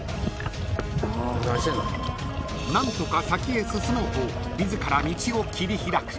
［何とか先へ進もうと自ら道を切り開く］